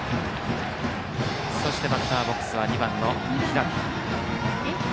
そしてバッターボックスには２番の平見。